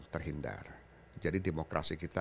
terhindar jadi demokrasi kita